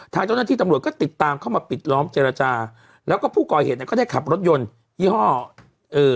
ทางเจ้าหน้าที่ตำรวจก็ติดตามเข้ามาปิดล้อมเจรจาแล้วก็ผู้ก่อเหตุเนี้ยก็ได้ขับรถยนต์ยี่ห้อเอ่อ